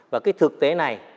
và cái thực tế này